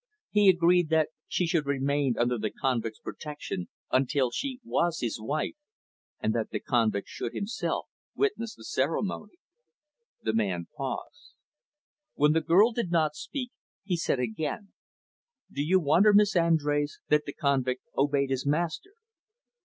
He agreed that she should remain under the convict's protection until she was his wife, and that the convict should, himself, witness the ceremony." The man paused. When the girl did not speak, he said again, "Do you wonder, Miss Andrés, that the convict obeyed his master?"